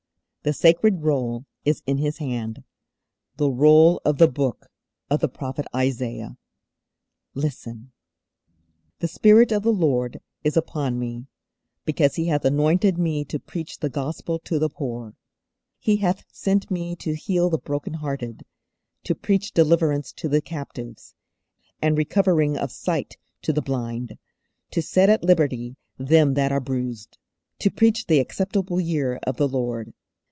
The sacred Roll is in His hand; the Roll of the Book of the prophet Isaiah. Listen: '_The Spirit of the Lord is upon Me, because He hath anointed Me to preach the Gospel to the poor; He hath sent Me to heal the broken hearted, to preach deliverance to the captives, and recovering of sight to the blind, to set at liberty them that are bruised,_ '_To preach the acceptable year of the Lord.